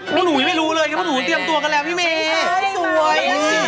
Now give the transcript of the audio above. อะผีโบหนูิไม่รู้เลยะผีนูที่ที่เตรียมตัวกันแหละพี่เมสวย